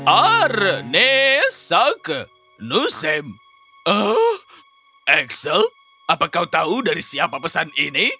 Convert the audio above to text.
axel apa kau tahu dari siapa pesan ini